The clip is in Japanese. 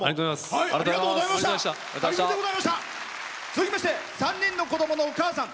続きまして３人の子供のお母さん。